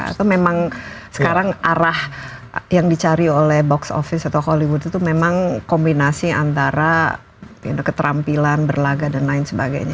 atau memang sekarang arah yang dicari oleh box office atau hollywood itu memang kombinasi antara keterampilan berlaga dan lain sebagainya